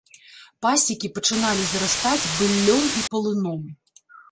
Пасекі пачыналі зарастаць быллём і палыном.